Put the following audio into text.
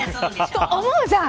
と思うじゃん。